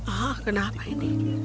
ah kenapa ini